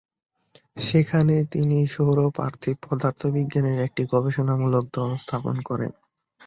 সেখানে তিনি সৌর-পার্থিব পদার্থবিজ্ঞানে একটি গবেষণামূলক দল স্থাপন করেন।